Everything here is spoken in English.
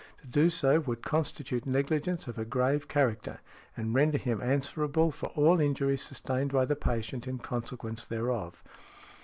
To do so would constitute negligence of a grave character, and render him answerable for all injury sustained by the patient in consequence thereof.